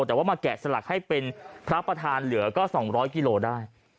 แต่ว่ามาแกะสลักให้เป็นพระประธานเหลือก็๒๐๐กิโลได้